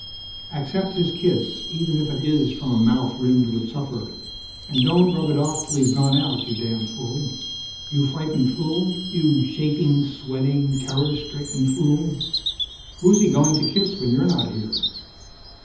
Accept his kiss, even if it is from a mouth rimmed with supper. And don't rub it off till he's gone out, you damned fool. You frightened fool. You shaking, sweating, terror stricken fool. Who's he going to kiss when you're not here?